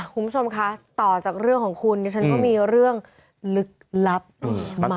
คุณผู้ชมคะต่อจากเรื่องของคุณดิฉันก็มีเรื่องลึกลับ